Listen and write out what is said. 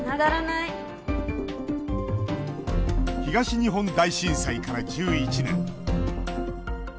東日本大震災から１１年。